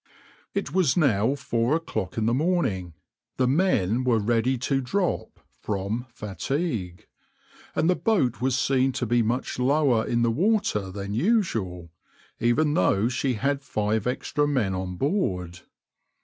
\par It was now four o'clock in the morning, the men were ready to drop from fatigue, and the boat was seen to be much lower in the water than usual, even though she had five extra men on board.